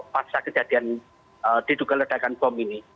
pasca kejadian diduga ledakan bom ini